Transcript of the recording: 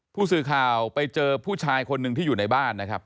ผู้สื่อข่าวไปเจอผู้ชายคนหนึ่งที่อยู่ในบ้านนะครับ